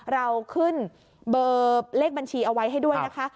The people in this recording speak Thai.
เราขึ้นเบอร์เลขบัญชีเอาไว้ให้ด้วยนะคะ